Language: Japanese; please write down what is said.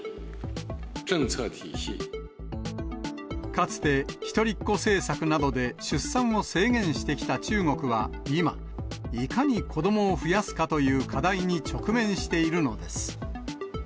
かつて、一人っ子政策などで出産を制限してきた中国は今、いかに子どもを増やすかという課題に直面しているのです。